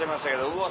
うわ